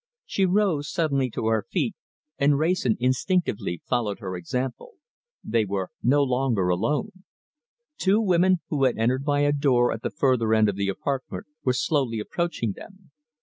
She rose suddenly to her feet, and Wrayson instinctively followed her example. They were no longer alone. Two women, who had entered by a door at the further end of the apartment, were slowly approaching them.